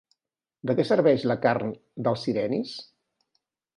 De què serveix la carn dels sirenis?